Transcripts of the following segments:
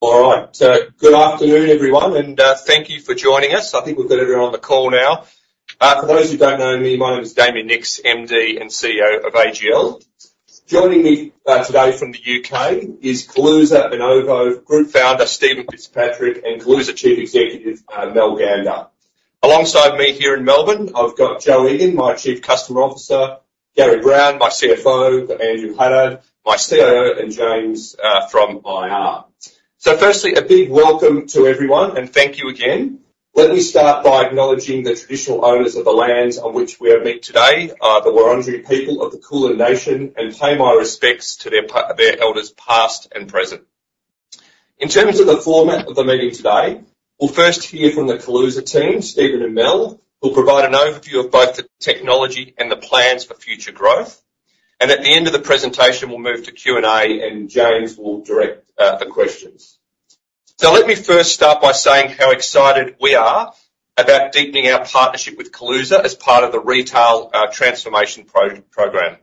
All right. So good afternoon, everyone, and thank you for joining us. I think we've got everyone on the call now. For those who don't know me, my name is Damien Nicks, MD and CEO of AGL. Joining me today from the U.K. is Kaluza and OVO Group founder, Stephen Fitzpatrick, and Kaluza Chief Executive, Mel Gander. Alongside me here in Melbourne, I've got Jo Egan, my Chief Customer Officer, Gary Brown, my CFO, Andrew Haddad, my COO, and James from IR. So firstly, a big welcome to everyone, and thank you again. Let me start by acknowledging the traditional owners of the lands on which we are meeting today, the Wurundjeri people of the Kulin Nation, and pay my respects to their elders, past and present. In terms of the format of the meeting today, we'll first hear from the Kaluza team, Stephen and Mel, who'll provide an overview of both the technology and the plans for future growth. And at the end of the presentation, we'll move to Q&A, and James will direct the questions. So let me first start by saying how excited we are about deepening our partnership with Kaluza as part of the retail transformation program.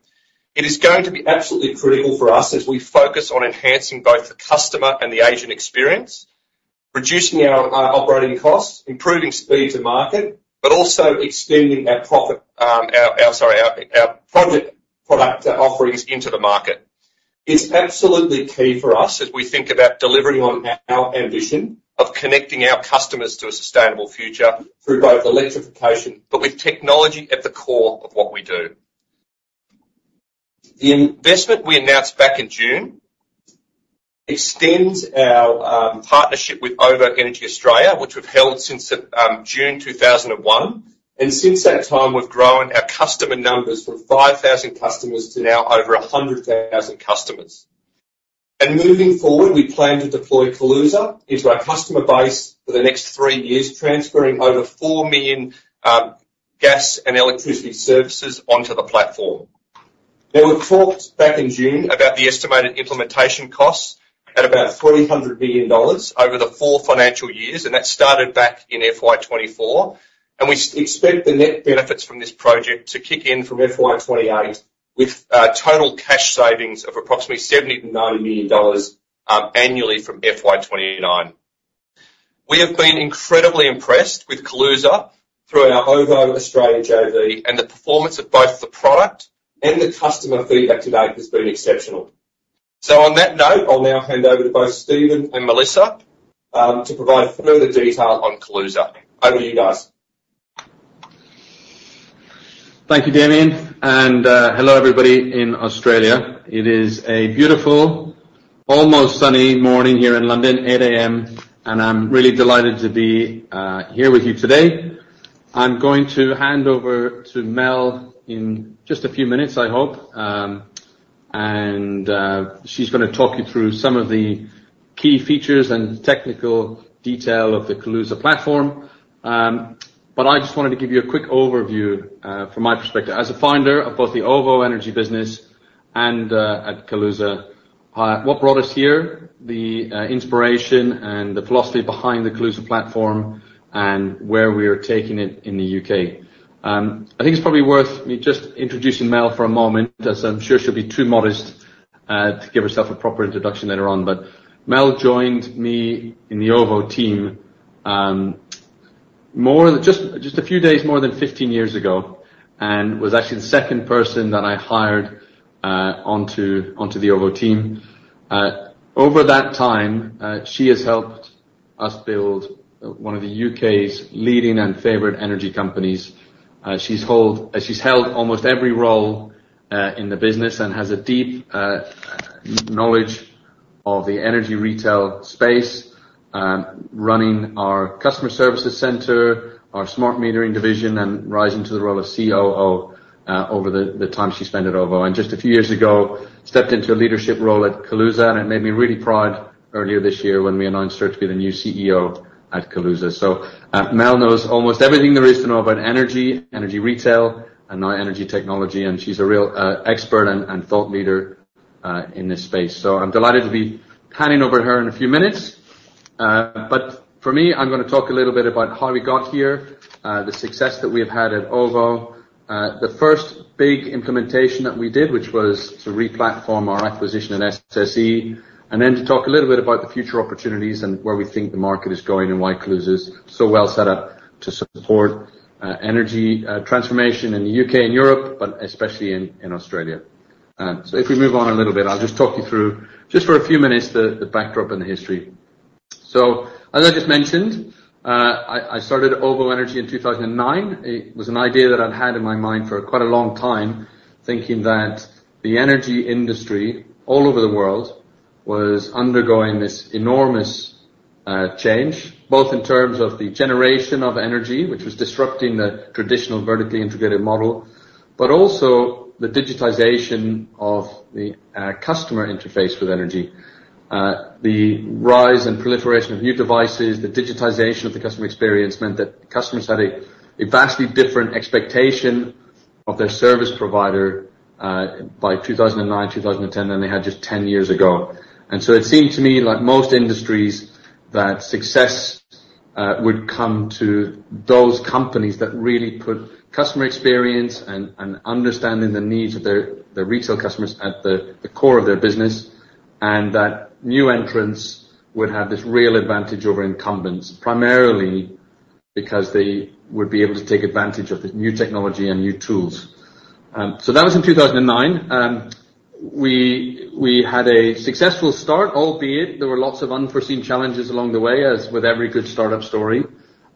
It is going to be absolutely critical for us as we focus on enhancing both the customer and the agent experience, reducing our operating costs, improving speed to market, but also extending our product offerings into the market. It's absolutely key for us as we think about delivering on our ambition of connecting our customers to a sustainable future through both electrification, but with technology at the core of what we do. The investment we announced back in June extends our partnership with OVO Energy Australia, which we've held since June 2021, and since that time, we've grown our customer numbers from 5,000 customers to now over 100,000 customers. Moving forward, we plan to deploy Kaluza into our customer base for the next three years, transferring over 4 million gas and electricity services onto the platform. Now, we talked back in June about the estimated implementation costs at about 400 million dollars over the four financial years, and that started back in FY 2024. We expect the net benefits from this project to kick in from FY 2028, with total cash savings of approximately AUD 70 million-AUD 90 million annually from FY 2029. We have been incredibly impressed with Kaluza through our OVO Australia JV, and the performance of both the product and the customer feedback to date has been exceptional. On that note, I'll now hand over to both Stephen and Mel to provide further detail on Kaluza. Over to you guys. Thank you, Damien, and hello, everybody in Australia. It is a beautiful, almost sunny morning here in London, 8:00 A.M., and I'm really delighted to be here with you today. I'm going to hand over to Mel in just a few minutes, I hope, and she's gonna talk you through some of the key features and technical detail of the Kaluza platform. But I just wanted to give you a quick overview from my perspective as a founder of both the OVO Energy business and at Kaluza. What brought us here, the inspiration and the philosophy behind the Kaluza platform, and where we're taking it in the U.K. I think it's probably worth me just introducing Mel for a moment, as I'm sure she'll be too modest to give herself a proper introduction later on. But Mel joined me in the OVO team, more than just a few days, more than 15 years ago, and was actually the second person that I hired onto the OVO team. Over that time, she has helped us build one of the U.K.'s leading and favorite energy companies. She's held almost every role in the business and has a deep knowledge of the energy retail space, running our customer services center, our smart metering division, and rising to the role of COO over the time she spent at OVO. And just a few years ago, stepped into a leadership role at Kaluza, and it made me really proud earlier this year when we announced her to be the new CEO at Kaluza. So, Mel knows almost everything there is to know about energy, energy retail, and now energy technology, and she's a real expert and thought leader in this space. So I'm delighted to be handing over to her in a few minutes. But for me, I'm gonna talk a little bit about how we got here, the success that we've had at OVO. The first big implementation that we did, which was to re-platform our acquisition of SSE, and then to talk a little bit about the future opportunities and where we think the market is going, and why Kaluza is so well set up to support energy transformation in the U.K. and Europe, but especially in Australia. So if we move on a little bit, I'll just talk you through, just for a few minutes, the backdrop and the history. So as I just mentioned, I started OVO Energy in 2009. It was an idea that I'd had in my mind for quite a long time, thinking that the energy industry all over the world was undergoing this enormous change, both in terms of the generation of energy, which was disrupting the traditional vertically integrated model, but also the digitization of the customer interface with energy. The rise and proliferation of new devices, the digitization of the customer experience, meant that customers had a vastly different expectation of their service provider by 2009, 2010, than they had just 10 years ago. And so it seemed to me, like most industries, tha t success would come to those companies that really put customer experience and understanding the needs of their retail customers at the core of their business. New entrants would have this real advantage over incumbents, primarily because they would be able to take advantage of the new technology and new tools. So that was in 2009. We had a successful start, albeit there were lots of unforeseen challenges along the way, as with every good startup story.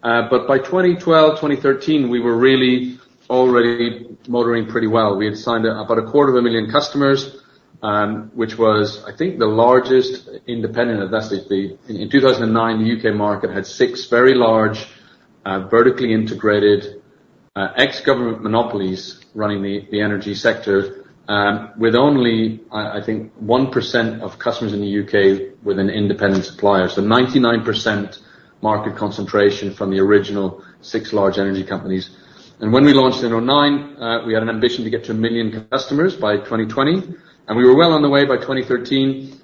By 2012/2013, we were really already motoring pretty well. We had signed about 250,000 customers, which was, I think, the largest independent. That's in 2009, the U.K. market had six very large, vertically integrated, ex-government monopolies running the energy sector, with only, I think, 1% of customers in the U.K. with an independent supplier. So 99% market concentration from the original six large energy companies. And when we launched in 2009, we had an ambition to get to a million customers by 2020, and we were well on the way by 2013.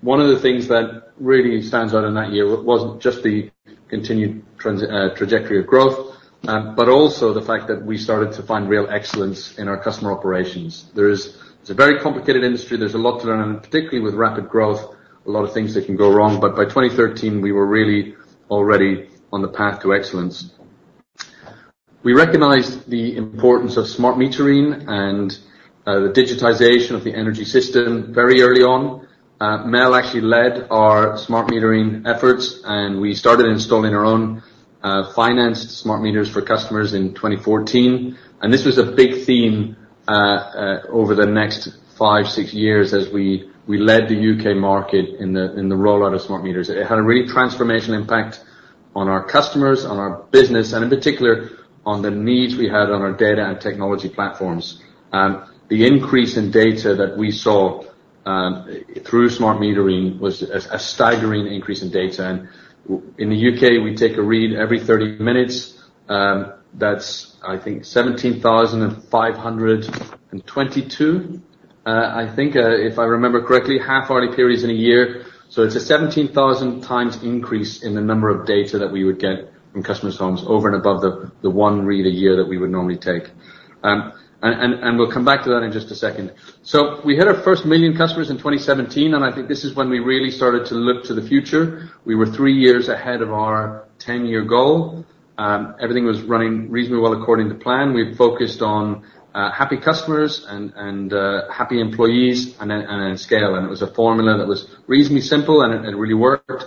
One of the things that really stands out in that year wasn't just the continued trajectory of growth, but also the fact that we started to find real excellence in our customer operations. There is. It's a very complicated industry. There's a lot to learn, and particularly with rapid growth, a lot of things that can go wrong, but by 2013, we were really already on the path to excellence. We recognized the importance of smart metering and the digitization of the energy system very early on. Mel actually led our smart metering efforts, and we started installing our own financed smart meters for customers in 2014. This was a big theme over the next five, six years as we led the U.K. market in the rollout of smart meters. It had a really transformational impact on our customers, on our business, and in particular, on the needs we had on our data and technology platforms. The increase in data that we saw through smart metering was a staggering increase in data, and in the U.K., we take a read every 30 minutes. That's, I think, 17,522. I think, if I remember correctly, half hourly periods in a year, so it's a 17,000 times increase in the number of data that we would get in customers' homes over and above the one read a year that we would normally take. And we'll come back to that in just a second. So we hit our first million customers in 2017, and I think this is when we really started to look to the future. We were three years ahead of our ten-year goal. Everything was running reasonably well according to plan. We focused on happy customers and happy employees and then scale. It was a formula that was reasonably simple, and it really worked.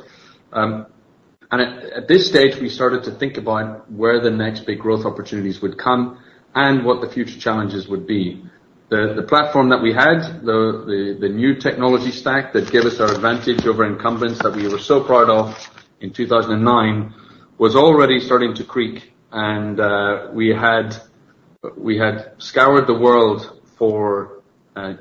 At this stage, we started to think about where the next big growth opportunities would come and what the future challenges would be. The platform that we had, the new technology stack that gave us our advantage over incumbents that we were so proud of in 2009, was already starting to creak. We had scoured the world for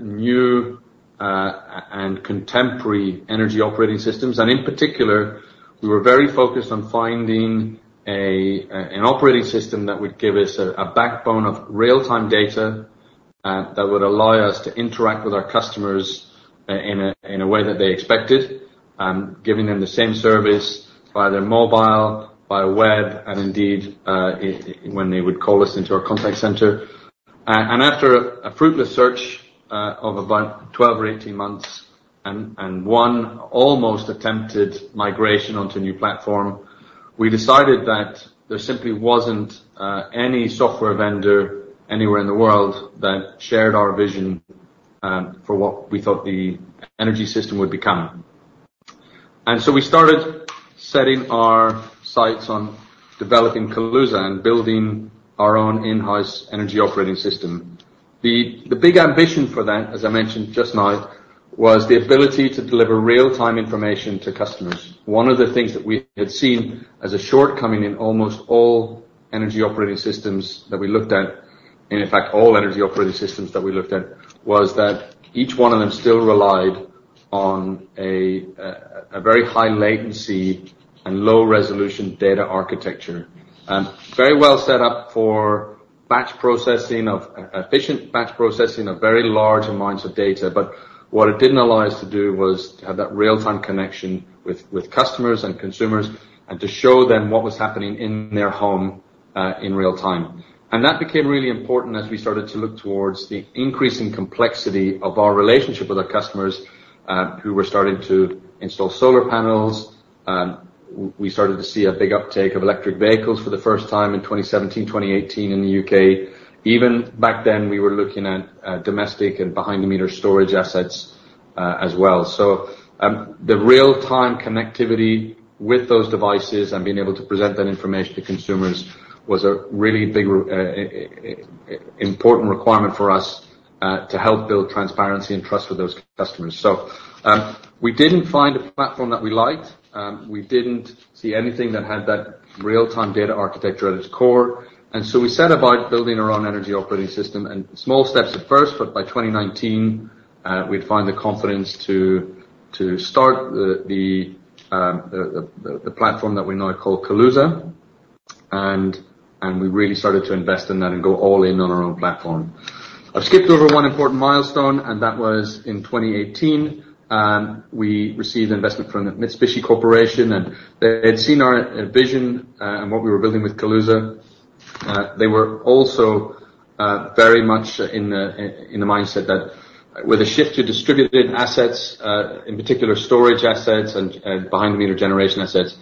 new and contemporary energy operating systems. And in particular, we were very focused on finding an operating system that would give us a backbone of real-time data that would allow us to interact with our customers in a way that they expected, giving them the same service via their mobile, via web, and indeed, when they would call us into our contact center. And after a fruitless search of about 12 or 18 months and one almost attempted migration onto a new platform, we decided that there simply wasn't any software vendor anywhere in the world that shared our vision for what we thought the energy system would become. And so we started setting our sights on developing Kaluza and building our own in-house energy operating system. The big ambition for that, as I mentioned just now, was the ability to deliver real-time information to customers. One of the things that we had seen as a shortcoming in almost all energy operating systems that we looked at, and in fact, all energy operating systems that we looked at, was that each one of them still relied on a very high latency and low-resolution data architecture. Very well set up for efficient batch processing of very large amounts of data, but what it didn't allow us to do was to have that real-time connection with customers and consumers, and to show them what was happening in their home, in real time. That became really important as we started to look towards the increasing complexity of our relationship with our customers, who were starting to install solar panels. We started to see a big uptake of electric vehicles for the first time in 2017, 2018 in the U.K. Even back then, we were looking at domestic and behind the meter storage assets as well. So, the real-time connectivity with those devices and being able to present that information to consumers was a really big important requirement for us to help build transparency and trust with those customers. So, we didn't find a platform that we liked, we didn't see anything that had that real-time data architecture at its core, and so we set about building our own energy operating system, and small steps at first, but by 2019, we'd find the confidence to start the platform that we now call Kaluza. We really started to invest in that and go all in on our own platform. I've skipped over one important milestone, and that was in 2018, we received investment from the Mitsubishi Corporation, and they had seen our vision, and what we were building with Kaluza. They were also very much in the mindset that with a shift to distributed assets, in particular storage assets and behind the meter generation assets,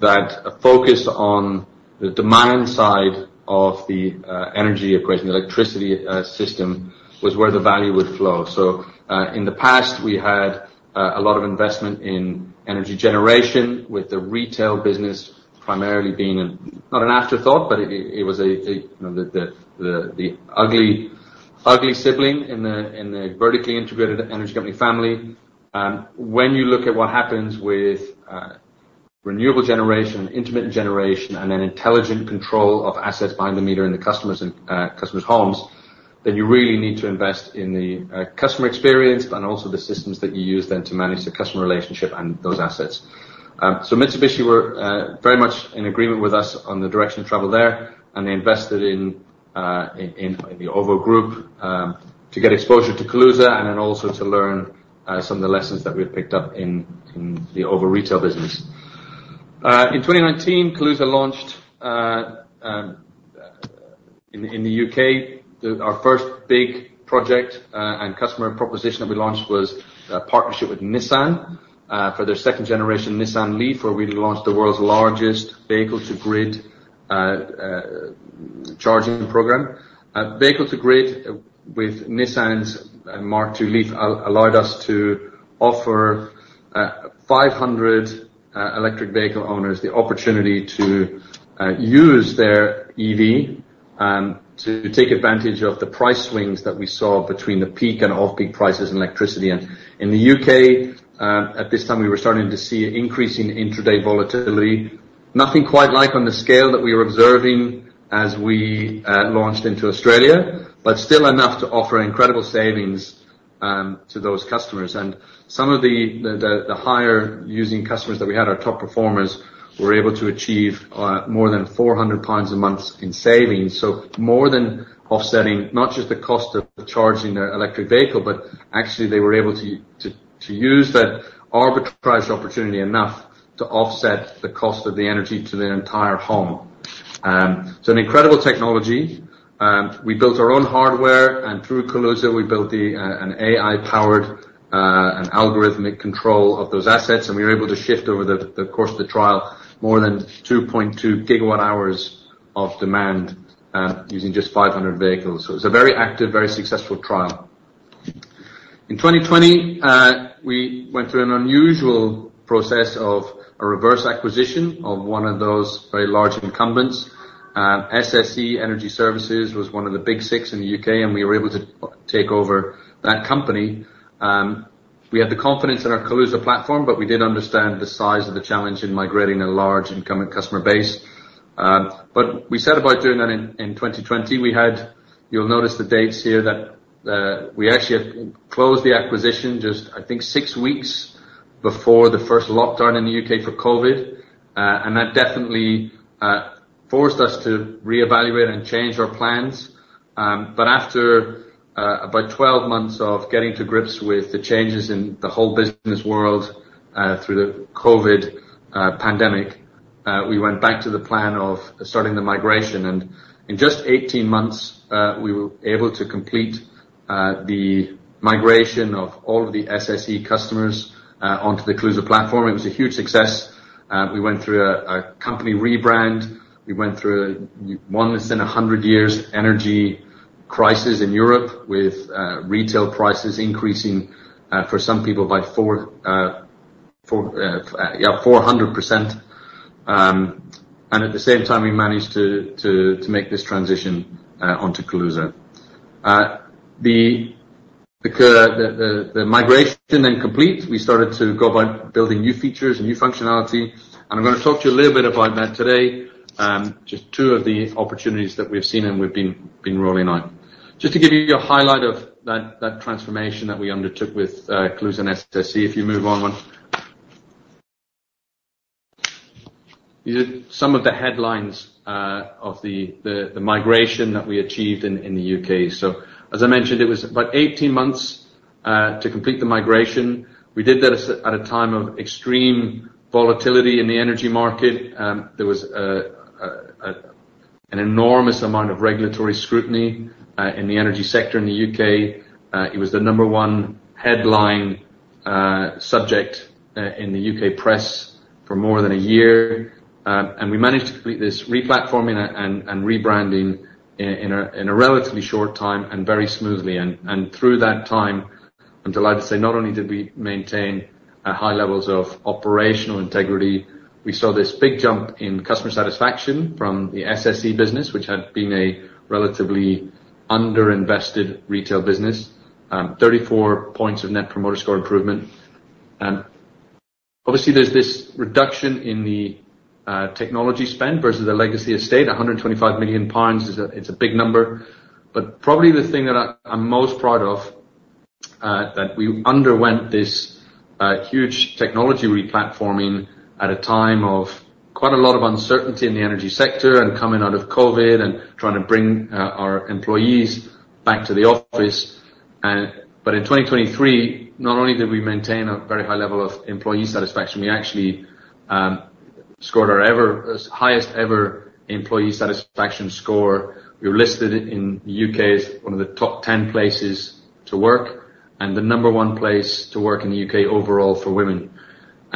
that a focus on the demand side of the energy equation, the electricity system, was where the value would flow. So, in the past, we had a lot of investment in energy generation, with the retail business primarily being, not an afterthought, but it was a, you know, the ugly sibling in the vertically integrated energy company family. When you look at what happens with renewable generation, intermittent generation, and then intelligent control of assets behind the meter in the customers and customers' homes, then you really need to invest in the customer experience and also the systems that you use then to manage the customer relationship and those assets. So Mitsubishi were very much in agreement with us on the direction of travel there, and they invested in the OVO Group to get exposure to Kaluza and then also to learn some of the lessons that we've picked up in the OVO retail business. In 2019 Kaluza launched in the U.K. Our first big project and customer proposition that we launched was a partnership with Nissan for their second generation Nissan LEAF, where we launched the world's largest vehicle-to-grid charging program. Vehicle-to-grid with Nissan's Mark II LEAF allowed us to offer 500 electric vehicle owners the opportunity to use their EV to take advantage of the price swings that we saw between the peak and off-peak prices in electricity. And in the U.K., at this time, we were starting to see an increase in intraday volatility. Nothing quite like on the scale that we were observing as we launched into Australia, but still enough to offer incredible savings to those customers. And some of the higher using customers that we had, our top performers, were able to achieve more than 400 pounds a month in savings. So more than offsetting, not just the cost of charging their electric vehicle, but actually they were able to use that arbitrage opportunity enough to offset the cost of the energy to their entire home. So an incredible technology. We built our own hardware, and through Kaluza, we built the an AI-powered algorithmic control of those assets, and we were able to shift over the course of the trial, more than 2.2 GWh of demand, using just 500 vehicles. So it was a very active, very successful trial. In 2020, we went through an unusual process of a reverse acquisition of one of those very large incumbents. SSE Energy Services was one of the big six in the U.K., and we were able to take over that company. We had the confidence in our Kaluza platform, but we did understand the size of the challenge in migrating a large incumbent customer base. But we set about doing that in 2020. We had... You'll notice the dates here, that we actually had closed the acquisition just, I think, six weeks before the first lockdown in the U.K. for COVID, and that definitely forced us to reevaluate and change our plans but after about 12 months of getting to grips with the changes in the whole business world through the COVID pandemic, we went back to the plan of starting the migration, and in just 18 months we were able to complete the migration of all of the SSE customers onto the Kaluza platform. It was a huge success. We went through a company rebrand. We went through more than a 100 years energy crisis in Europe with retail prices increasing for some people by 400%. And at the same time, we managed to make this transition onto Kaluza. The migration then complete, we started to go about building new features and new functionality, and I'm gonna talk to you a little bit about that today. Just two of the opportunities that we've seen and we've been rolling on. Just to give you a highlight of that transformation that we undertook with Kaluza and SSE. If you move on, one. These are some of the headlines of the migration that we achieved in the U.K. So as I mentioned, it was about eighteen months to complete the migration. We did that at a time of extreme volatility in the energy market. There was an enormous amount of regulatory scrutiny in the energy sector in the U.K. It was the number one headline subject in the U.K. press for more than a year. We managed to complete this replatforming and rebranding in a relatively short time and very smoothly. Through that time, I'm delighted to say, not only did we maintain high levels of operational integrity, we saw this big jump in customer satisfaction from the SSE business, which had been a relatively underinvested retail business, 34 points of Net Promoter Score improvement. Obviously, there's this reduction in the technology spend versus the legacy estate. 125 million pounds is a big number, but probably the thing that I'm most proud of... That we underwent this huge technology replatforming at a time of quite a lot of uncertainty in the energy sector and coming out of COVID and trying to bring our employees back to the office. But in 2023, not only did we maintain a very high level of employee satisfaction, we actually scored our highest ever employee satisfaction score. We were listed in the U.K. as one of the top 10 places to work, and the number one place to work in the U.K. overall for women.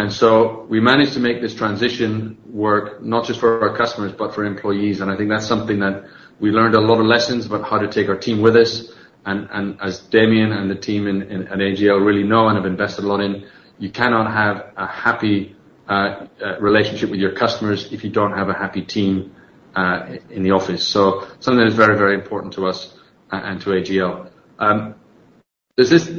So we managed to make this transition work not just for our customers, but for employees. I think that's something that we learned a lot of lessons about how to take our team with us. As Damien and the team at AGL really know and have invested a lot in, you cannot have a happy relationship with your customers if you don't have a happy team in the office, so something that is very important to us and to AGL. There's this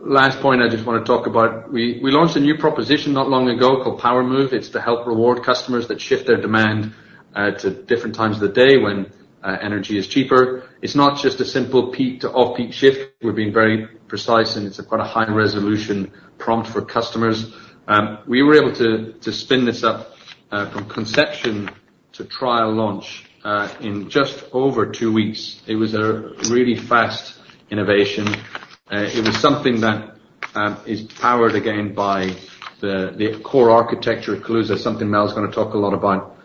last point I just wanna talk about. We launched a new proposition not long ago called Power Move. It's to help reward customers that shift their demand to different times of the day when energy is cheaper. It's not just a simple peak to off-peak shift. We're being very precise, and it's quite a high-resolution prompt for customers. We were able to spin this up from conception to trial launch in just over two weeks. It was a really fast innovation. It was something that is powered again by the core architecture at Kaluza, something Mel is gonna talk a lot about.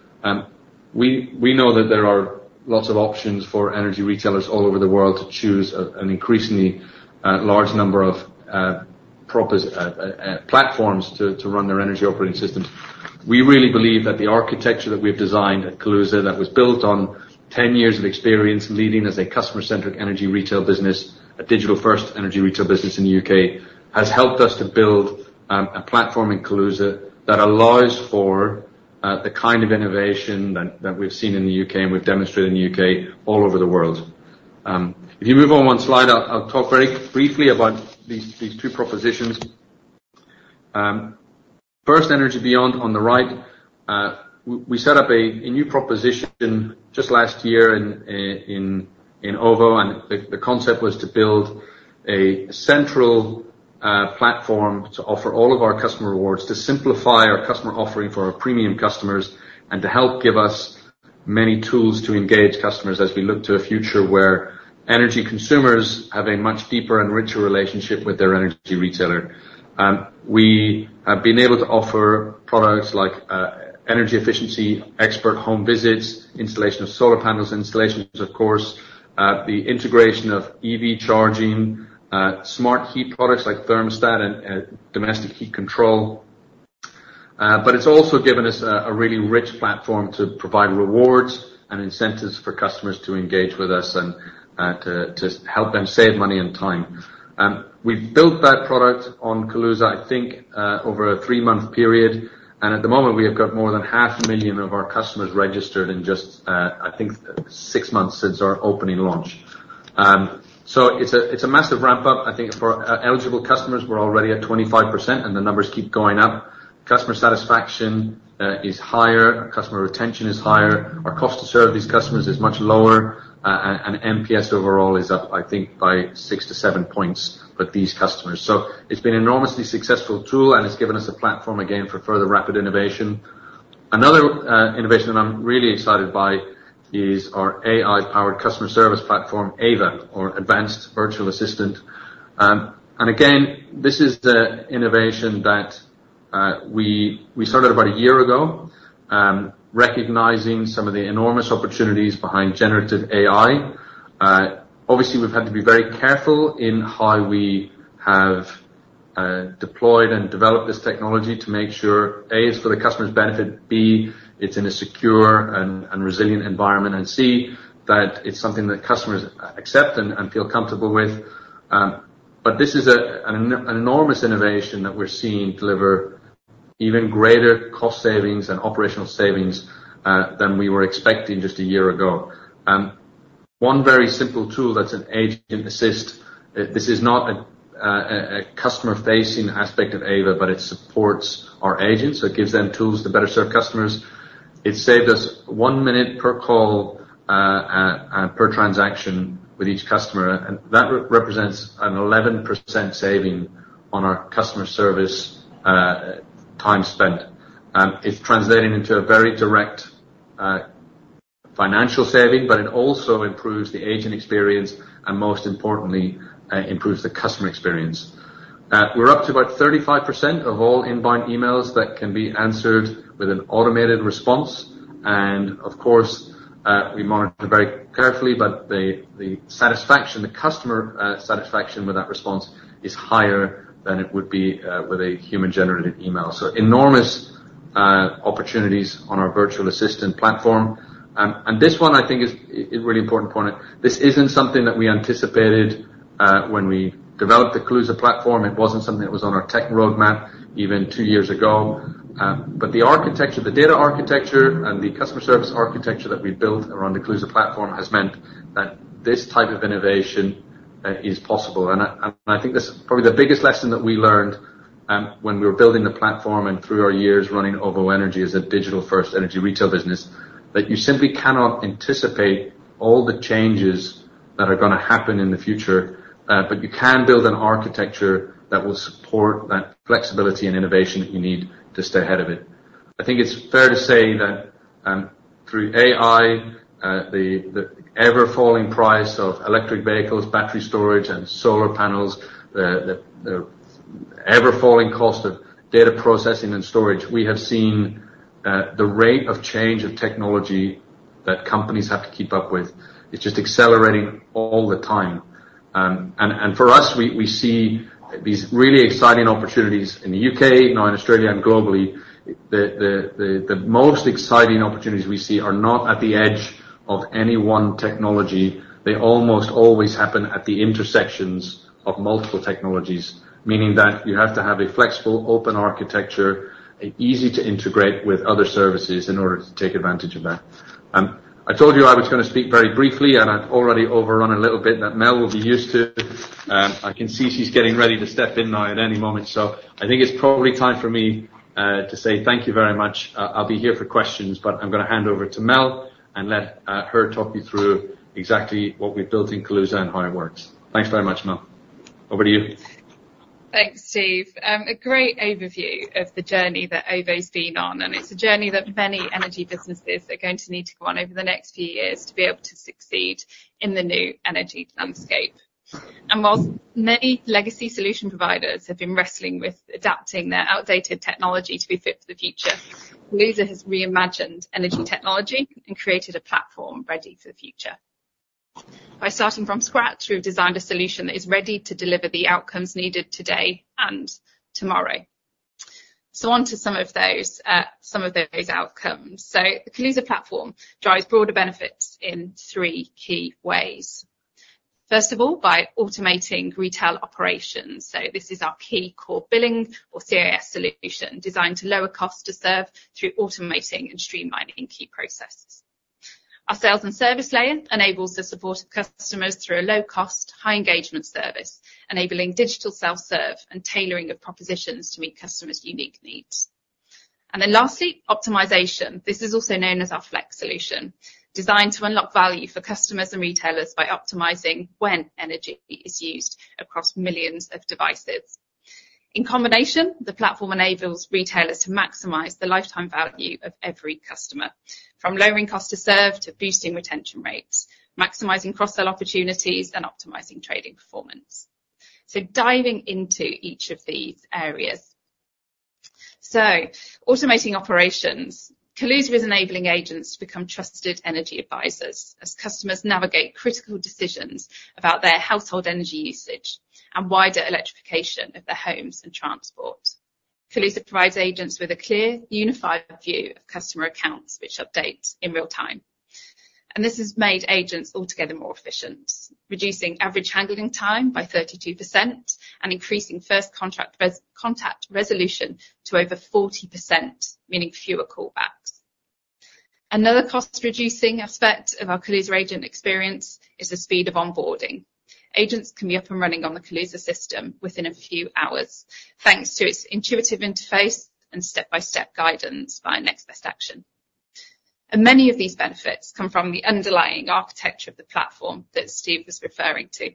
We know that there are lots of options for energy retailers all over the world to choose an increasingly large number of platforms to run their energy operating systems. We really believe that the architecture that we've designed at Kaluza, that was built on ten years of experience, leading as a customer-centric energy retail business, a digital-first energy retail business in the U.K., has helped us to build a platform in Kaluza that allows for the kind of innovation that we've seen in the U.K. and we've demonstrated in the U.K. all over the world. If you move on one slide, I'll talk very briefly about these two propositions. First, Energy Beyond on the right, we set up a new proposition just last year in OVO, and the concept was to build a central platform to offer all of our customer rewards, to simplify our customer offering for our premium customers, and to help give us many tools to engage customers as we look to a future where energy consumers have a much deeper and richer relationship with their energy retailer. We have been able to offer products like energy efficiency, expert home visits, installation of solar panels, of course, the integration of EV charging, smart heat products like thermostat and domestic heat control. But it's also given us a really rich platform to provide rewards and incentives for customers to engage with us and to help them save money and time. We've built that product on Kaluza, I think, over a three-month period, and at the moment, we have got more than 500,000 of our customers registered in just, I think, six months since our opening launch. So it's a massive ramp-up. I think for eligible customers, we're already at 25%, and the numbers keep going up. Customer satisfaction is higher, customer retention is higher, our cost to serve these customers is much lower, and NPS overall is up, I think, by six-to-seven points with these customers. So it's been an enormously successful tool, and it's given us a platform, again, for further rapid innovation. Another innovation that I'm really excited by is our AI-powered customer service platform, Ava, or Advanced Virtual Assistant. And again, this is the innovation that we started about a year ago, recognizing some of the enormous opportunities behind generative AI. Obviously, we've had to be very careful in how we have deployed and developed this technology to make sure, A, it's for the customer's benefit, B, it's in a secure and resilient environment, and C, that it's something that customers accept and feel comfortable with. But this is an enormous innovation that we're seeing deliver even greater cost savings and operational savings than we were expecting just a year ago. One very simple tool that's an agent assist. This is not a customer-facing aspect of Ava, but it supports our agents. It gives them tools to better serve customers. It saved us one minute per call per transaction with each customer, and that represents an 11% saving on our customer service time spent. It's translating into a very direct financial saving, but it also improves the agent experience, and most importantly, improves the customer experience. We're up to about 35% of all inbound emails that can be answered with an automated response, and of course, we monitor very carefully, but the satisfaction, the customer satisfaction with that response is higher than it would be with a human-generated email. So enormous opportunities on our virtual assistant platform. And this one, I think, is a really important point. This isn't something that we anticipated when we developed the Kaluza platform. It wasn't something that was on our tech roadmap even two years ago. But the architecture, the data architecture and the customer service architecture that we built around the Kaluza platform has meant that this type of innovation is possible, and I think this is probably the biggest lesson that we learned when we were building the platform and through our years running OVO Energy as a digital-first energy retail business, that you simply cannot anticipate all the changes that are gonna happen in the future, but you can build an architecture that will support that flexibility and innovation you need to stay ahead of it. I think it's fair to say that, through AI, the ever-falling price of electric vehicles, battery storage, and solar panels, the ever-falling cost of data processing and storage, we have seen that the rate of change of technology that companies have to keep up with is just accelerating all the time. And for us, we see these really exciting opportunities in the U.K., now in Australia and globally. The most exciting opportunities we see are not at the edge of any one technology. They almost always happen at the intersections of multiple technologies, meaning that you have to have a flexible, open architecture, and easy to integrate with other services in order to take advantage of that. I told you I was gonna speak very briefly, and I've already overrun a little bit, and that Mel will be used to. I can see she's getting ready to step in now at any moment, so I think it's probably time for me to say thank you very much. I'll be here for questions, but I'm gonna hand over to Mel and let her talk you through exactly what we've built in Kaluza and how it works. Thanks very much, Mel. Over to you. Thanks, Steve. A great overview of the journey that OVO's been on, and it's a journey that many energy businesses are going to need to go on over the next few years to be able to succeed in the new energy landscape. And while many legacy solution providers have been wrestling with adapting their outdated technology to be fit for the future, Kaluza has reimagined energy technology and created a platform ready for the future. By starting from scratch, we've designed a solution that is ready to deliver the outcomes needed today and tomorrow. So onto some of those outcomes. So the Kaluza platform drives broader benefits in three key ways. First of all, by automating retail operations. So this is our key core billing or CIS solution, designed to lower cost to serve through automating and streamlining key processes. Our sales and service layer enables the support of customers through a low-cost, high-engagement service, enabling digital self-serve and tailoring of propositions to meet customers' unique needs, and then lastly, optimization. This is also known as our Flex solution, designed to unlock value for customers and retailers by optimizing when energy is used across millions of devices. In combination, the platform enables retailers to maximize the lifetime value of every customer, from lowering cost to serve, to boosting retention rates, maximizing cross-sell opportunities, and optimizing trading performance, so diving into each of these areas, so automating operations. Kaluza is enabling agents to become trusted energy advisors as customers navigate critical decisions about their household energy usage and wider electrification of their homes and transport. Kaluza provides agents with a clear, unified view of customer accounts, which update in real time. This has made agents altogether more efficient, reducing average handling time by 32% and increasing first contact resolution to over 40%, meaning fewer callbacks. Another cost-reducing aspect of our Kaluza agent experience is the speed of onboarding. Agents can be up and running on the Kaluza system within a few hours, thanks to its intuitive interface and step-by-step guidance by next best action. Many of these benefits come from the underlying architecture of the platform that Steve was referring to.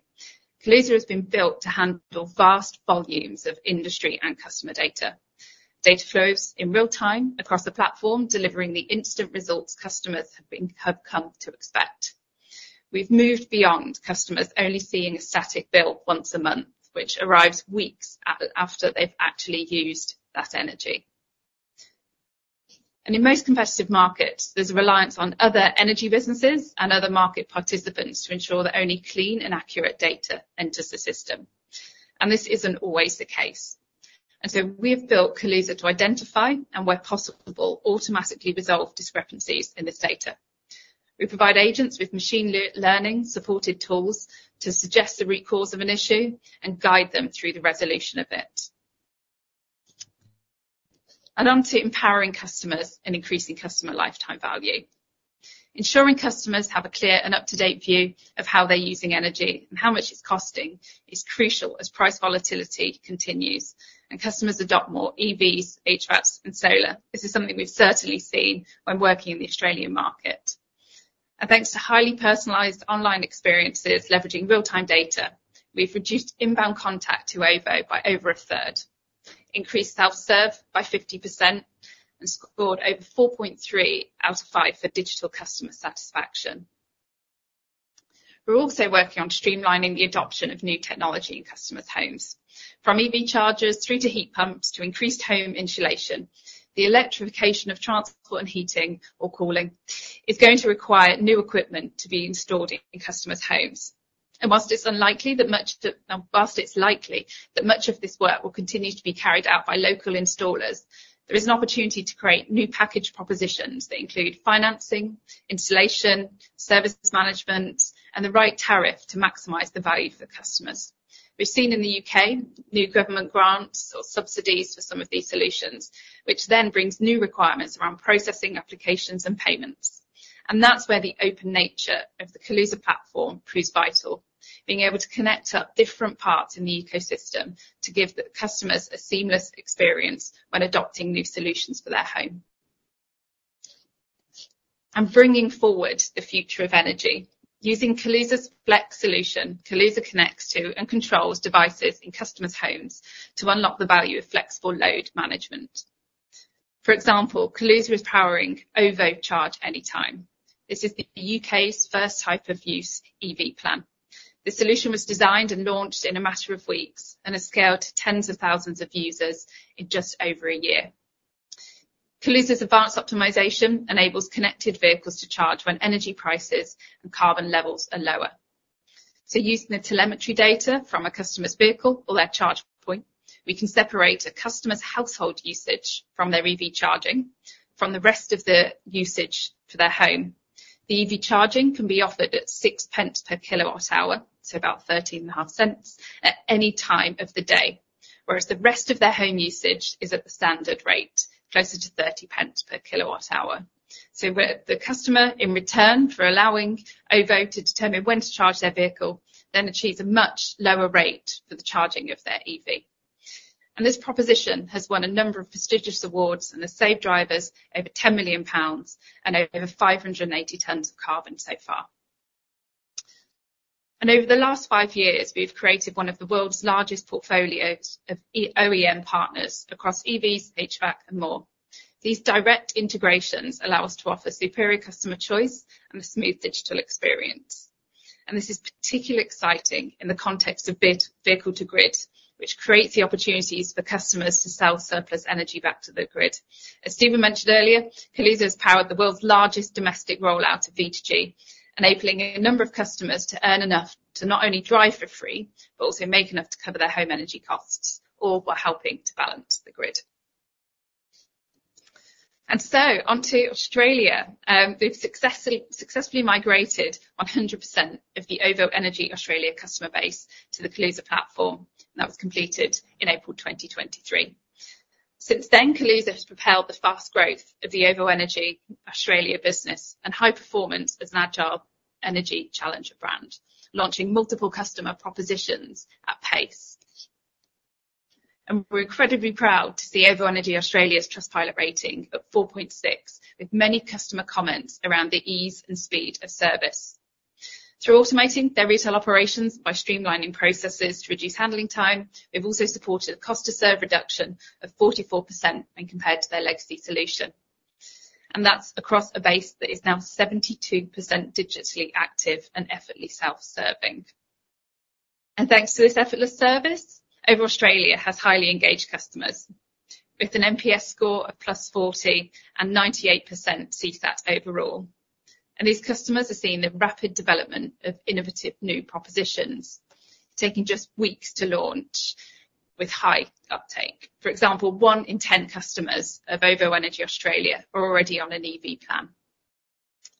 Kaluza has been built to handle vast volumes of industry and customer data. Data flows in real time across the platform, delivering the instant results customers have come to expect. We've moved beyond customers only seeing a static bill once a month, which arrives weeks after they've actually used that energy. In most competitive markets, there's a reliance on other energy businesses and other market participants to ensure that only clean and accurate data enters the system, and this isn't always the case. So we've built Kaluza to identify and, where possible, automatically resolve discrepancies in this data. We provide agents with machine learning supported tools to suggest the root cause of an issue and guide them through the resolution of it. On to empowering customers and increasing customer lifetime value. Ensuring customers have a clear and up-to-date view of how they're using energy and how much it's costing is crucial as price volatility continues and customers adopt more EVs, HVACs, and solar. This is something we've certainly seen when working in the Australian market. Thanks to highly personalized online experiences, leveraging real-time data, we've reduced inbound contact to OVO by over a 1/3, increased self-serve by 50%, and scored over 4.3 out of five for digital customer satisfaction. We're also working on streamlining the adoption of new technology in customers' homes, from EV chargers through to heat pumps to increased home insulation. The electrification of transport and heating or cooling is going to require new equipment to be installed in customers' homes. While it's likely that much of this work will continue to be carried out by local installers, there is an opportunity to create new package propositions that include financing, installation, services management, and the right tariff to maximize the value for customers. We've seen in the U.K. new government grants or subsidies for some of these solutions, which then brings new requirements around processing applications and payments. And that's where the open nature of the Kaluza platform proves vital, being able to connect up different parts in the ecosystem to give the customers a seamless experience when adopting new solutions for their home. And bringing forward the future of energy. Using Kaluza's Flex solution, Kaluza connects to and controls devices in customers' homes to unlock the value of flexible load management. For example, Kaluza is powering OVO Charge Anytime. This is the U.K.'s first time-of-use EV plan. The solution was designed and launched in a matter of weeks, and has scaled to tens of thousands of users in just over a year. Kaluza's advanced optimization enables connected vehicles to charge when energy prices and carbon levels are lower. Using the telemetry data from a customer's vehicle or their charge point, we can separate a customer's household usage from their EV charging from the rest of the usage to their home. The EV charging can be offered at 0.06/kWh, so about 0.135, at any time of the day, whereas the rest of their home usage is at the standard rate, closer to 0.30/kWh. So, where the customer, in return for allowing OVO to determine when to charge their vehicle, then achieves a much lower rate for the charging of their EV. This proposition has won a number of prestigious awards and has saved drivers over 10 million pounds and over 580 tons of carbon so far. Over the last five years, we've created one of the world's largest portfolios of OEM partners across EVs, HVAC, and more. These direct integrations allow us to offer superior customer choice and a smooth digital experience. This is particularly exciting in the context of vehicle-to-grid, which creates the opportunities for customers to sell surplus energy back to the grid. As Stephen mentioned earlier, Kaluza has powered the world's largest domestic rollout of V2G, enabling a number of customers to earn enough to not only drive for free, but also make enough to cover their home energy costs, all while helping to balance the grid. So onto Australia. We've successfully migrated 100% of the OVO Energy Australia customer base to the Kaluza platform, and that was completed in April 2023. Since then, Kaluza has propelled the fast growth of the OVO Energy Australia business and high performance as an agile energy challenger brand, launching multiple customer propositions at pace. And we're incredibly proud to see OVO Energy Australia's Trustpilot rating at 4.6, with many customer comments around the ease and speed of service. Through automating their retail operations by streamlining processes to reduce handling time, we've also supported a cost to serve reduction of 44% when compared to their legacy solution, and that's across a base that is now 72% digitally active and effortlessly self-serving. And thanks to this effortless service, OVO Australia has highly engaged customers, with an NPS score of +40 and 98% CSAT overall. And these customers are seeing the rapid development of innovative new propositions, taking just weeks to launch with high uptake. For example, one in 10 customers of OVO Energy Australia are already on an EV plan,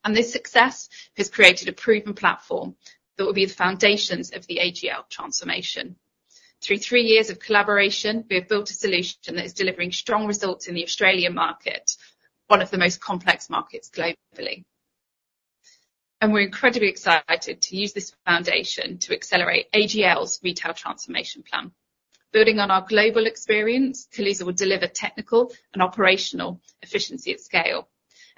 and this success has created a proven platform that will be the foundations of the AGL transformation. Through three years of collaboration, we have built a solution that is delivering strong results in the Australian market, one of the most complex markets globally, and we're incredibly excited to use this foundation to accelerate AGL's retail transformation plan. Building on our global experience, Kaluza will deliver technical and operational efficiency at scale,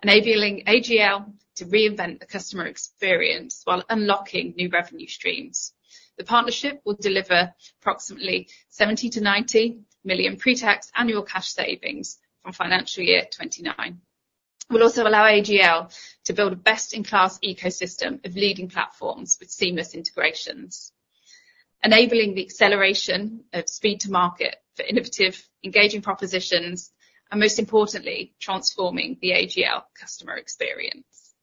enabling AGL to reinvent the customer experience while unlocking new revenue streams. The partnership will deliver approximately 70 million-90 million pre-tax annual cash savings from financial year 2029. It will also allow AGL to build a best-in-class ecosystem of leading platforms with seamless integrations, enabling the acceleration of speed to market for innovative, engaging propositions, and most importantly, transforming the AGL customer experience.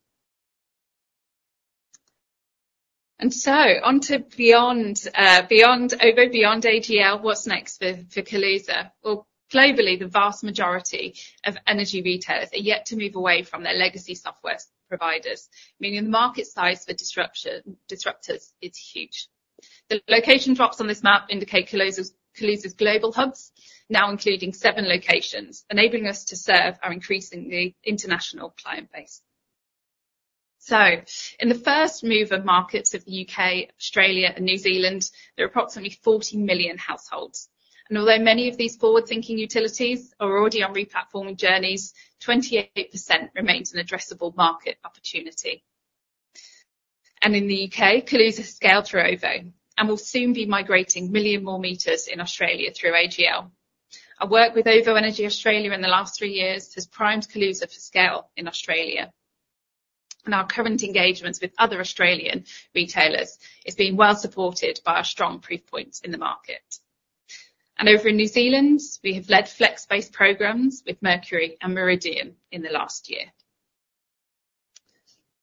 On to beyond, beyond OVO, beyond AGL, what's next for Kaluza? Well, globally, the vast majority of energy retailers are yet to move away from their legacy software providers, meaning the market size for disruptors is huge. The location dots on this map indicate Kaluza's global hubs, now including seven locations, enabling us to serve our increasingly international client base. In the first mover markets of the U.K., Australia, and New Zealand, there are approximately 40 million households, and although many of these forward-thinking utilities are already on replatforming journeys, 28% remains an addressable market opportunity. In the U.K., Kaluza has scaled through OVO and will soon be migrating million more meters in Australia through AGL. Our work with OVO Energy Australia in the last three years has primed Kaluza for scale in Australia, and our current engagements with other Australian retailers is being well supported by our strong proof points in the market, and over in New Zealand, we have led flex-based programs with Mercury and Meridian in the last year,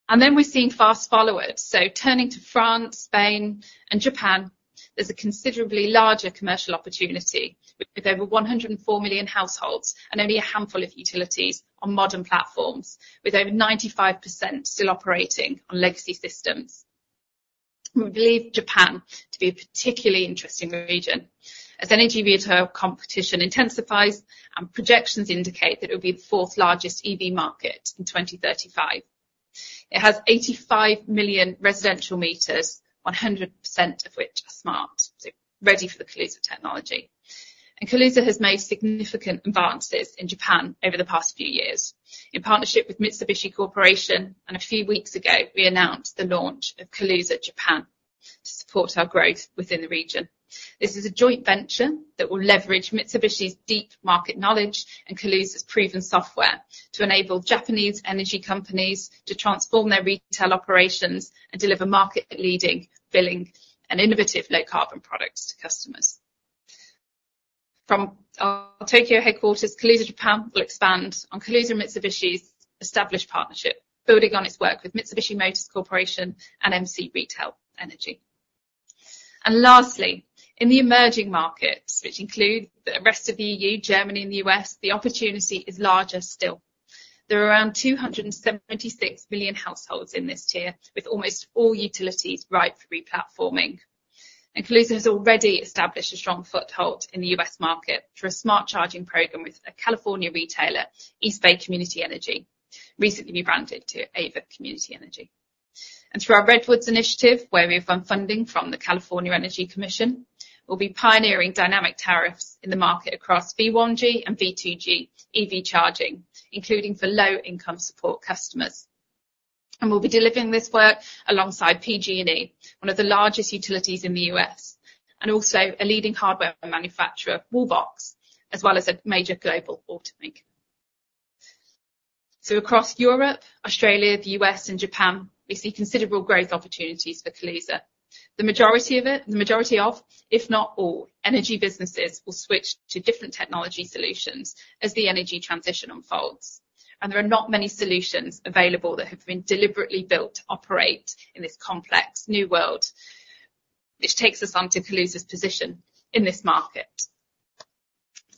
and then we're seeing fast followers, so turning to France, Spain, and Japan, there's a considerably larger commercial opportunity with over 104 million households and only a handful of utilities on modern platforms, with over 95% still operating on legacy systems. We believe Japan to be a particularly interesting region as energy retail competition intensifies, and projections indicate that it will be the fourth largest EV market in 2035. It has 85 million residential meters, 100% of which are smart, so ready for the Kaluza technology. Kaluza has made significant advances in Japan over the past few years in partnership with Mitsubishi Corporation, and a few weeks ago, we announced the launch of Kaluza Japan to support our growth within the region. This is a joint venture that will leverage Mitsubishi's deep market knowledge and Kaluza's proven software to enable Japanese energy companies to transform their retail operations and deliver market-leading billing and innovative low-carbon products to customers. From our Tokyo headquarters, Kaluza Japan will expand on Kaluza and Mitsubishi's established partnership, building on its work with Mitsubishi Motors Corporation and MC Retail Energy. Lastly, in the emerging markets, which include the rest of the EU, Germany, and the U.S., the opportunity is larger still. There are around 276 million households in this tier, with almost all utilities ripe for replatforming. Kaluza has already established a strong foothold in the U.S. market through a smart charging program with a California retailer, East Bay Community Energy, recently rebranded to Ava Community Energy. And through our Redwood initiative, where we've won funding from the California Energy Commission, we'll be pioneering dynamic tariffs in the market across V1G and V2G EV charging, including for low-income support customers. And we'll be delivering this work alongside PG&E, one of the largest utilities in the U.S., and also a leading hardware manufacturer, Wallbox, as well as a major global automaker. So across Europe, Australia, the U.S., and Japan, we see considerable growth opportunities for Kaluza. The majority of it-- The majority of, if not all, energy businesses will switch to different technology solutions as the energy transition unfolds, and there are not many solutions available that have been deliberately built to operate in this complex new world, which takes us on to Kaluza's position in this market.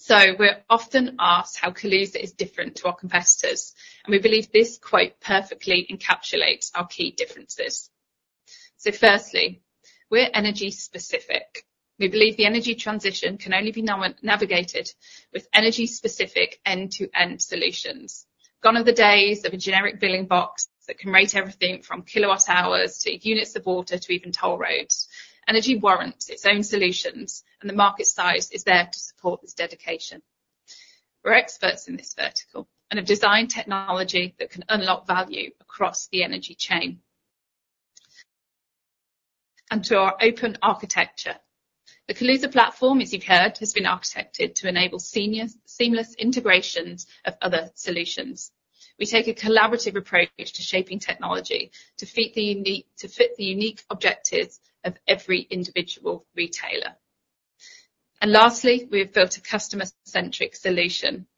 We're often asked how Kaluza is different to our competitors, and we believe this quote perfectly encapsulates our key differences. Firstly, we're energy specific. We believe the energy transition can only be navigated with energy-specific end-to-end solutions. Gone are the days of a generic billing box that can rate everything from kilowatt hours to units of water to even toll roads. Energy warrants its own solutions, and the market size is there to support this dedication. We're experts in this vertical and have designed technology that can unlock value across the energy chain. Onto our open architecture. The Kaluza platform, as you've heard, has been architected to enable seamless integrations of other solutions. We take a collaborative approach to shaping technology to fit the unique objectives of every individual retailer. Lastly, we have built a customer-centric solution.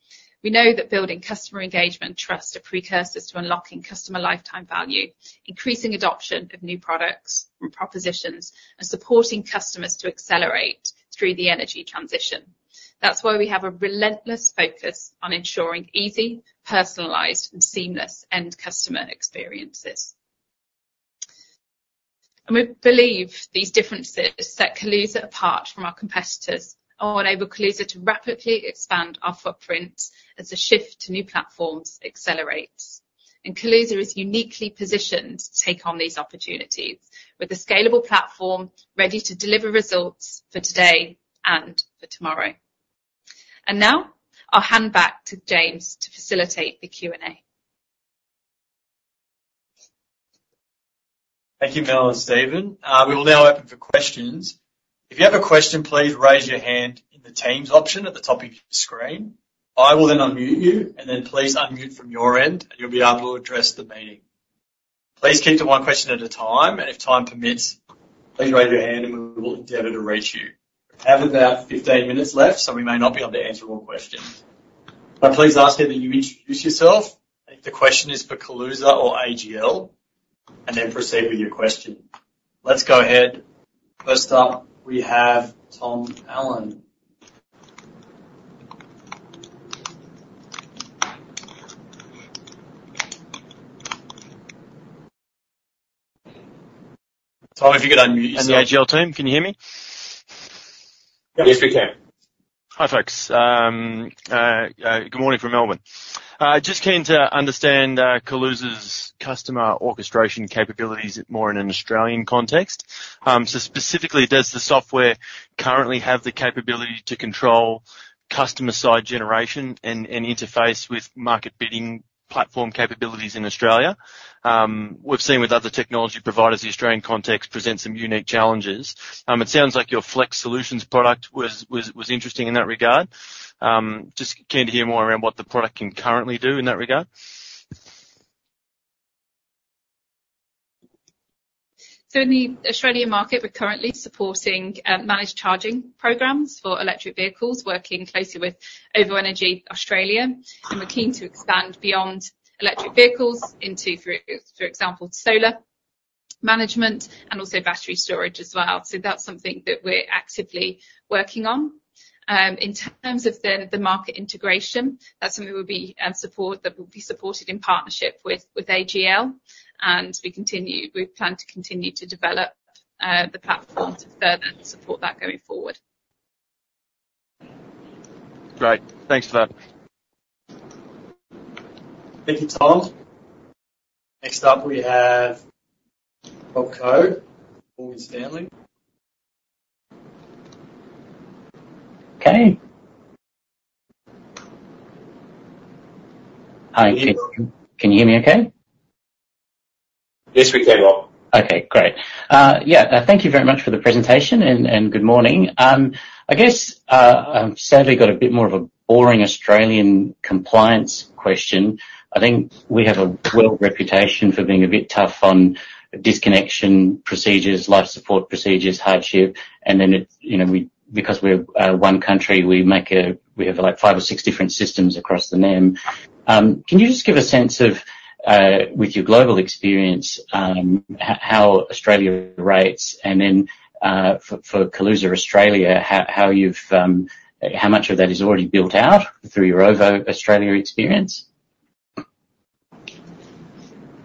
We know that building customer engagement and trust are precursors to unlocking customer lifetime value, increasing adoption of new products and propositions, and supporting customers to accelerate through the energy transition. That's why we have a relentless focus on ensuring easy, personalized, and seamless end customer experiences. We believe these differences set Kaluza apart from our competitors and will enable Kaluza to rapidly expand our footprint as the shift to new platforms accelerates. Kaluza is uniquely positioned to take on these opportunities, with a scalable platform ready to deliver results for today and for tomorrow. Now, I'll hand back to James to facilitate the Q&A. Thank you, Mel and Stephen. We will now open for questions. If you have a question, please raise your hand in the Teams option at the top of your screen. I will then unmute you, and then please unmute from your end, and you'll be able to address the meeting. Please keep to one question at a time, and if time permits, please raise your hand and we will endeavor to reach you. We have about fifteen minutes left, so we may not be able to answer all questions. But please ask that you introduce yourself, if the question is for Kaluza or AGL, and then proceed with your question. Let's go ahead. First up, we have Tom Allen. Tom, if you could unmute yourself. The AGL team, can you hear me? Yes, we can. Hi, folks. Good morning from Melbourne. Just keen to understand Kaluza's customer orchestration capabilities more in an Australian context, so specifically, does the software currently have the capability to control customer-side generation and interface with market bidding platform capabilities in Australia? We've seen with other technology providers, the Australian context presents some unique challenges. It sounds like your Flex Solutions product was interesting in that regard. Just keen to hear more around what the product can currently do in that regard. So in the Australian market, we're currently supporting managed charging programs for electric vehicles, working closely with OVO Energy Australia, and we're keen to expand beyond electric vehicles into, for example, solar management and also battery storage as well. So that's something that we're actively working on. In terms of the market integration, that's something that will be supported in partnership with AGL, and we plan to continue to develop the platform to further support that going forward. Great. Thanks for that. Thank you, Tom. Next up, we have Rob Koh, Morgan Stanley. Okay. Hi, can you hear me okay? Yes, we can, Rob. Okay, great. Yeah, thank you very much for the presentation, and good morning. I guess I've sadly got a bit more of a boring Australian compliance question. I think we have a world reputation for being a bit tough on disconnection procedures, life support procedures, hardship, and then, you know, because we're one country, we have, like, five or six different systems across the NEM. Can you just give a sense of, with your global experience, how Australia rates? And then, for Kaluza Australia, how much of that is already built out through your OVO Australia experience?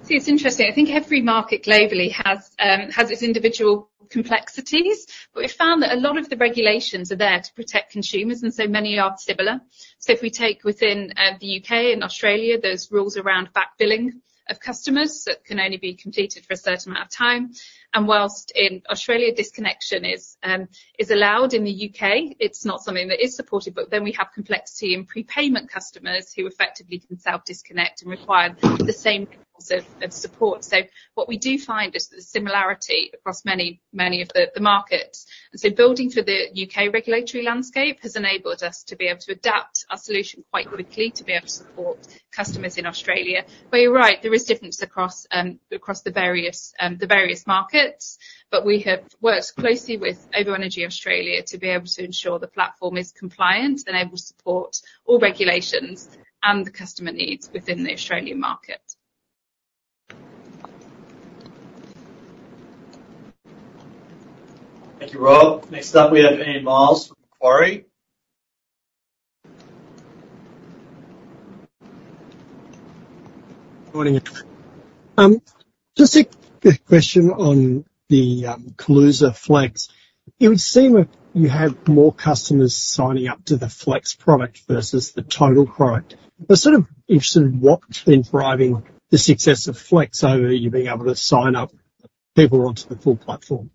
See, it's interesting. I think every market globally has its individual complexities, but we've found that a lot of the regulations are there to protect consumers, and so many are similar. So if we take within the U.K. and Australia, there's rules around back billing of customers that can only be completed for a certain amount of time, and while in Australia, disconnection is allowed, in the U.K., it's not something that is supported. But then we have complexity in prepayment customers, who effectively can self-disconnect and require the same levels of support. So what we do find is the similarity across many of the markets. And so building through the U.K. regulatory landscape has enabled us to be able to adapt our solution quite quickly to be able to support customers in Australia. But you're right, there is difference across the various markets, but we have worked closely with OVO Energy Australia to be able to ensure the platform is compliant and able to support all regulations and the customer needs within the Australian market. Thank you, Rob. Next up, we have Ian Myles from Macquarie. Morning. Just a question on the Kaluza Flex. It would seem that you have more customers signing up to the Flex product versus the Total product. I'm sort of interested in what has been driving the success of Flex over you being able to sign up people onto the full platform?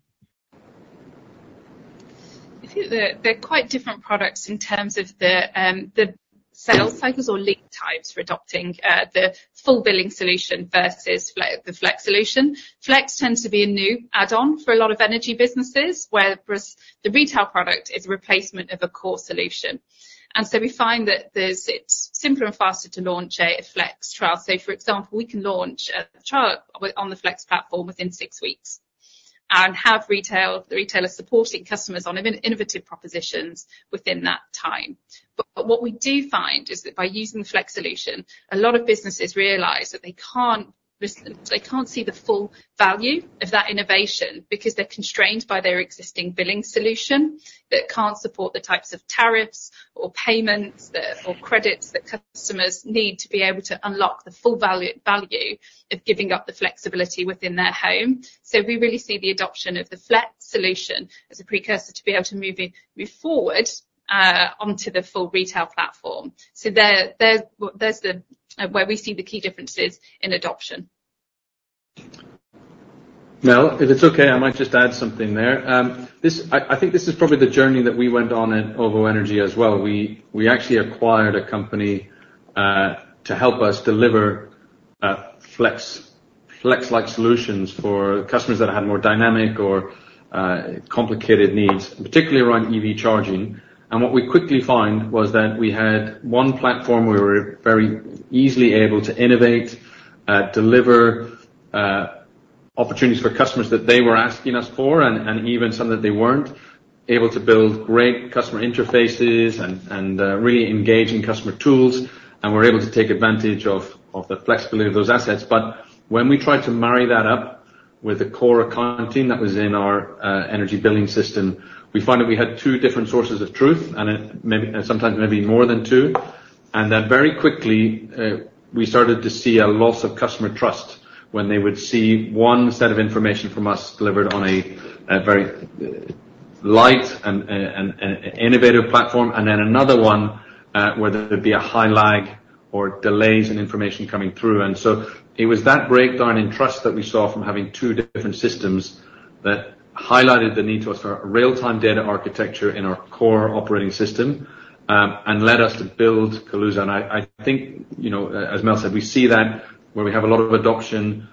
I think they're quite different products in terms of the sales cycles or lead times for adopting the full billing solution versus the Flex solution. Flex tends to be a new add-on for a lot of energy businesses, whereas the retail product is a replacement of a core solution. And so we find that it's simpler and faster to launch a Flex trial. So, for example, we can launch a trial on the Flex platform within six weeks and have the retailer supporting customers on innovative propositions within that time. But what we do find is that by using the Flex solution, a lot of businesses realize that they can't res... They can't see the full value of that innovation because they're constrained by their existing billing solution that can't support the types of tariffs or payments that, or credits that customers need to be able to unlock the full value of giving up the flexibility within their home. So we really see the adoption of the Flex solution as a precursor to be able to move it forward onto the full retail platform. So there, well, there's where we see the key differences in adoption. Mel, if it's okay, I might just add something there. This I think this is probably the journey that we went on at OVO Energy as well. We actually acquired a company to help us deliver Flex-like solutions for customers that had more dynamic or complicated needs, particularly around EV charging. And what we quickly found was that we had one platform where we were very easily able to innovate deliver opportunities for customers that they were asking us for and even some that they weren't. Able to build great customer interfaces and really engaging customer tools, and we're able to take advantage of the flexibility of those assets. But when we tried to marry that up with the core accounting that was in our energy billing system, we found that we had two different sources of truth and it maybe and sometimes maybe more than two. And then very quickly, we started to see a loss of customer trust when they would see one set of information from us delivered on a very light and innovative platform, and then another one where there would be a high lag or delays in information coming through. And so it was that breakdown in trust that we saw from having two different systems that highlighted the need to us for a real-time data architecture in our core operating system and led us to build Kaluza. I think, you know, as Mel said, we see that where we have a lot of adoption,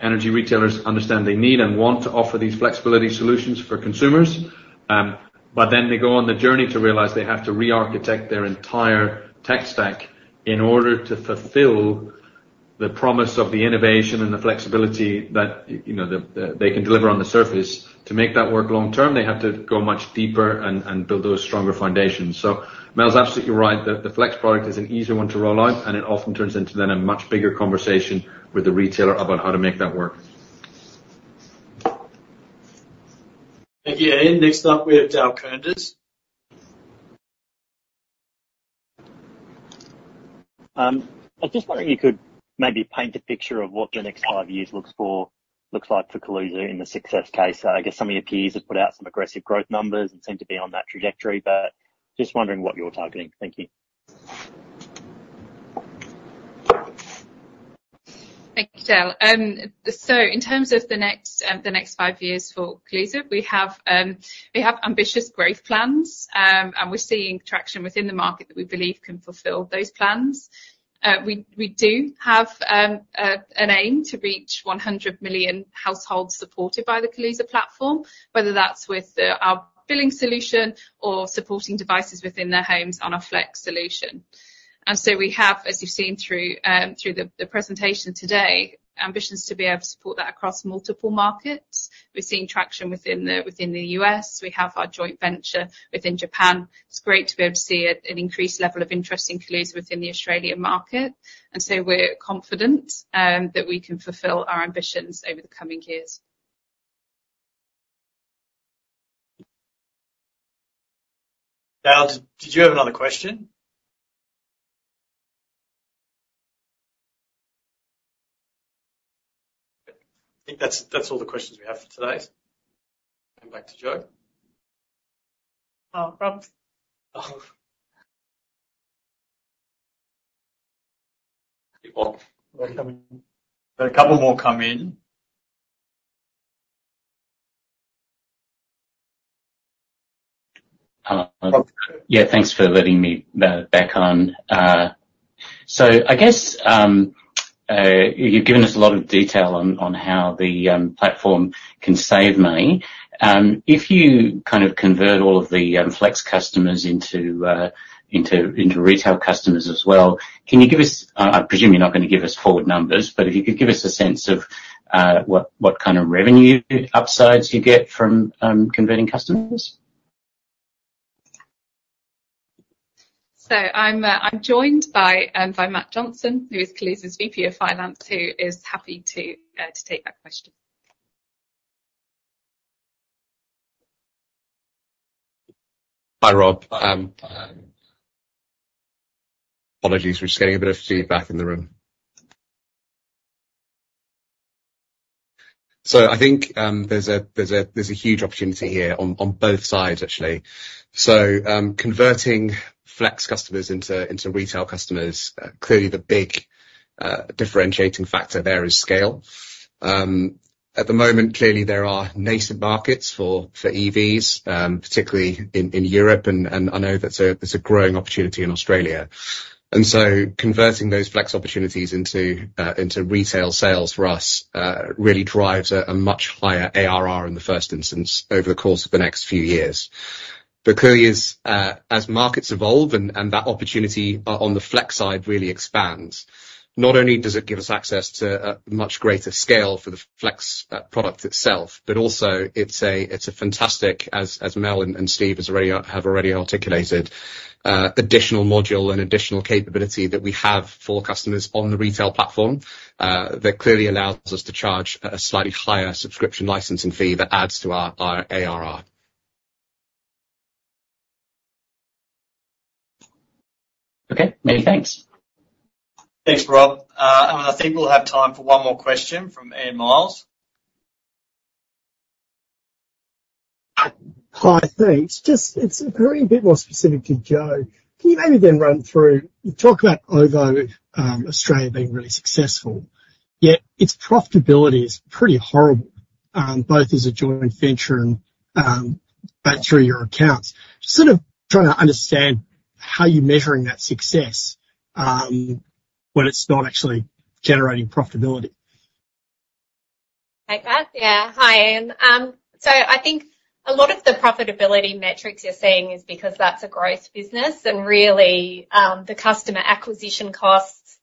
energy retailers understand they need and want to offer these flexibility solutions for consumers. But then they go on the journey to realize they have to rearchitect their entire tech stack in order to fulfill the promise of the innovation and the flexibility that, you know, they can deliver on the surface. To make that work long term, they have to go much deeper and build those stronger foundations. So Mel's absolutely right. The Flex product is an easier one to roll out, and it often turns into then a much bigger conversation with the retailer about how to make that work. Thank you, Ian. Next up, we have Dale Koenders. I just wonder if you could maybe paint a picture of what the next five years looks like for Kaluza in the success case. I guess some of your peers have put out some aggressive growth numbers and seem to be on that trajectory, but just wondering what you're targeting. Thank you. Thank you, Dale. So in terms of the next five years for Kaluza, we have ambitious growth plans. And we're seeing traction within the market that we believe can fulfill those plans. We do have an aim to reach 100 million households supported by the Kaluza platform, whether that's with our billing solution or supporting devices within their homes on our Flex solution. And so we have, as you've seen through the presentation today, ambitions to be able to support that across multiple markets. We're seeing traction within the U.S. We have our joint venture within Japan. It's great to be able to see an increased level of interest in Kaluza within the Australian market. And so we're confident that we can fulfill our ambitions over the coming years. Dale, did you have another question? I think that's all the questions we have for today. Coming back to Jo. Rob. A couple more come in. Yeah, thanks for letting me back on. So I guess you've given us a lot of detail on how the platform can save money. If you kind of convert all of the Flex customers into retail customers as well, can you give us... I presume you're not going to give us forward numbers, but if you could give us a sense of what kind of revenue upsides you get from converting customers? I'm joined by Matt Johnson, who is Kaluza's VP of Finance, who is happy to take that question. Hi, Rob. Apologies. We're just getting a bit of feedback in the room. So I think there's a huge opportunity here on both sides, actually. Converting Flex customers into retail customers, clearly the big differentiating factor there is scale. At the moment, clearly, there are nascent markets for EVs, particularly in Europe, and I know that's a growing opportunity in Australia. And so converting those Flex opportunities into retail sales for us really drives a much higher ARR in the first instance over the course of the next few years. But clearly, as markets evolve and that opportunity on the Flex side really expands, not only does it give us access to a much greater scale for the Flex product itself, but also it's a fantastic, as Mel and Steve have already articulated, additional module and additional capability that we have for customers on the retail platform, that clearly allows us to charge a slightly higher subscription licensing fee that adds to our ARR. Okay. Many thanks. Thanks, Rob. And I think we'll have time for one more question from Ian Myles. Hi, thanks. Just a bit more specific to Jo. Can you maybe then run through-- You talk about OVO Australia being really successful, yet its profitability is pretty horrible, both as a joint venture and back through your accounts. Just sort of trying to understand how you're measuring that success, when it's not actually generating profitability. Hi. Yeah. Hi, Ian. So I think a lot of the profitability metrics you're seeing is because that's a growth business, and really, the customer acquisition costs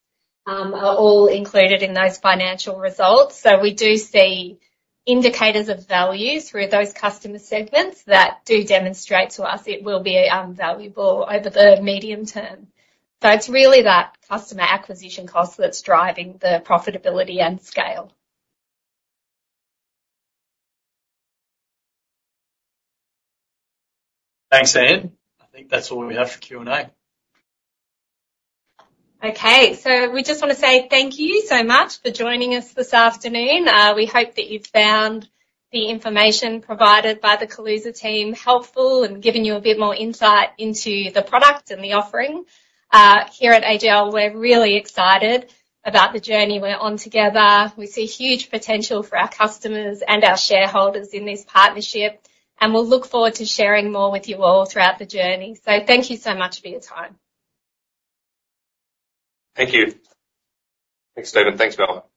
are all included in those financial results. So we do see indicators of values through those customer segments that do demonstrate to us it will be valuable over the medium term. So it's really that customer acquisition cost that's driving the profitability and scale. Thanks, Ian. I think that's all we have for Q&A. Okay. So we just want to say thank you so much for joining us this afternoon. We hope that you've found the information provided by the Kaluza team helpful and given you a bit more insight into the product and the offering. Here at AGL, we're really excited about the journey we're on together. We see huge potential for our customers and our shareholders in this partnership, and we'll look forward to sharing more with you all throughout the journey. So thank you so much for your time. Thank you. Thanks, Stephen. Thanks, Mel.